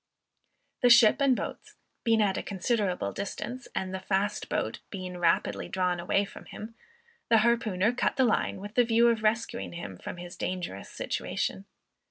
The ship and boats being at a considerable distance, and the fast boat being rapidly drawn away from him, the harpooner cut the line with the view of rescuing him from his dangerous situation.